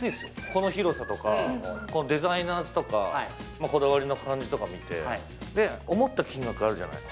この広さとかデザイナーズとかこだわりの感じとか見て思った金額あるじゃない。